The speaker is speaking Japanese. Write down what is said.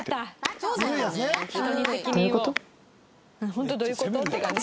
ホント「どゆこと？」って感じ。